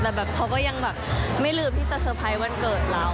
แต่แบบเขาก็ยังแบบไม่ลืมที่จะเตอร์ไพรส์วันเกิดเรา